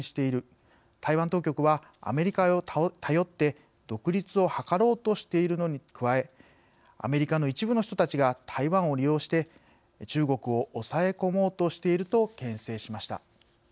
台湾当局はアメリカを頼って独立を図ろうとしているのに加えアメリカの一部の人たちが台湾を利用して中国を抑え込もうとしているとけん制しました。